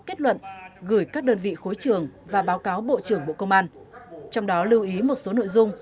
kết luận gửi các đơn vị khối trường và báo cáo bộ trưởng bộ công an trong đó lưu ý một số nội dung